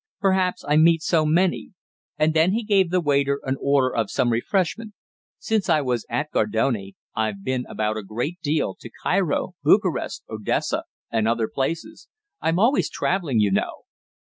Perhaps I meet so many." And then he gave the waiter an order for some refreshment. "Since I was at Gardone I've been about a great deal to Cairo, Bucharest, Odessa, and other places. I'm always travelling, you know."